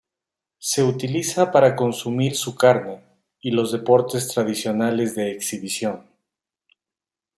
Se utiliza para consumir su carne, y los deportes tradicionales de exhibición.